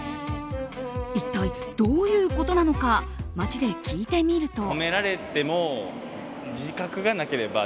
一体どういうことなのか街で聞いてみると。